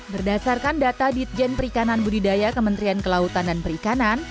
berdasarkan data ditjen perikanan budidaya kementerian kelautan dan perikanan